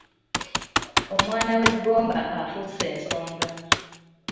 Omwana w’e Gomba afuuse ensonga.